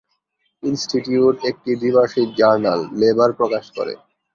Institute একটি দ্বিবার্ষিক journal, Labour প্রকাশ করে।